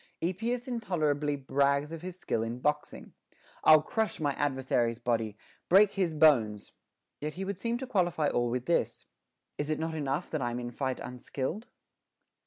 Epeus intolerably brags of his skill in boxing, I'll crush my adversary's body, break his bones; yet he would seem to qualify all with this, Is 't not enough that I'm in fight unskilled